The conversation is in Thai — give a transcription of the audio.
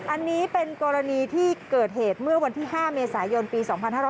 อันนี้เป็นกรณีที่เกิดเหตุเมื่อวันที่๕เมษายนปี๒๕๕๙